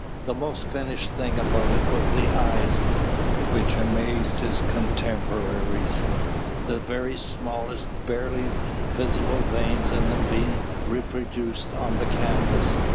The most finished thing about it was the eyes, which amazed his contemporaries; the very smallest, barely visible veins in them being reproduced on the canvas.